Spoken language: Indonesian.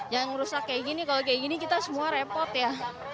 yang rusak kayak gini kalau kayak gini kita semua repot ya